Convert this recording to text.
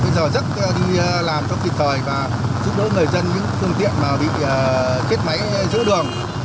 bây giờ rất đi làm trong kỳ thời và giúp đỡ người dân những phương tiện mà bị kết máy giữ đường